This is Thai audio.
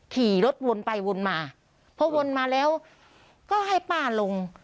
ขี่รถวนไปวนมาพอวนมาแล้วก็ให้ป้าลง